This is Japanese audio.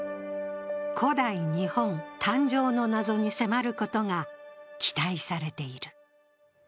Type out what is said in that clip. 古代日本誕生の謎に迫ることが期待されている。